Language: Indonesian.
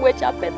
gue capek banget